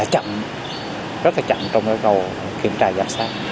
chậm rất là chậm trong cái câu kiểm tra giả sát